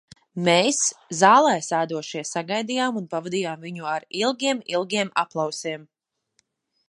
Mēs, zālē sēdošie, sagaidījām un pavadījām viņu ar ilgiem, ilgiem aplausiem.